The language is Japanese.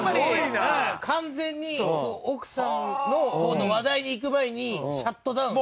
だから完全に奥さんの方の話題にいく前にシャットダウン。